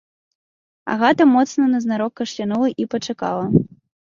Агата моцна назнарок кашлянула і пачакала.